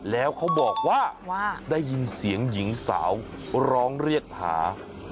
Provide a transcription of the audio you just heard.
แล้วเขาบอกว่าได้ยินเสียงหญิงสาวร้องเรียกหา